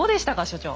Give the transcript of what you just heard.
所長。